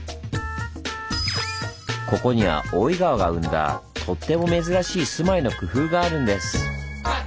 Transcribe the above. ここには大井川が生んだとっても珍しい住まいの工夫があるんです。